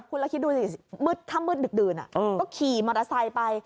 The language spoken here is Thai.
คุณละคิดดูสิมืดข้ามมืดดื่นอะก็ขี่มอเตอร์ไซค์ไป